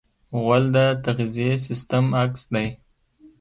غول د تغذیې سیستم عکس دی.